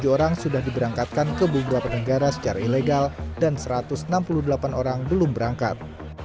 satu satu ratus tiga puluh tujuh orang sudah diberangkatkan ke beberapa negara secara ilegal dan satu ratus enam puluh delapan orang belum berangkat